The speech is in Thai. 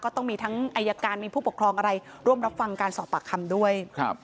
ต้องมีทั้งอายการมีผู้ปกครองอะไรร่วมรับฟังการสอบปากคำด้วยครับ